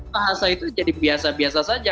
bahasa itu jadi biasa biasa saja